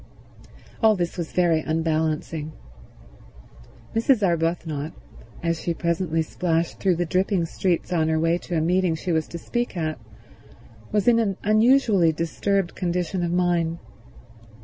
All this was very unbalancing. Mrs. Arbuthnot, as she presently splashed though the dripping streets on her way to a meeting she was to speak at, was in an unusually disturbed condition of mind.